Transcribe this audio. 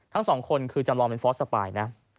ทั้งสองคนคือจำลองเป็นฟอสสปายนะ